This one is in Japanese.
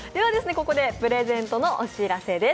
ここでプレゼントのお知らせです。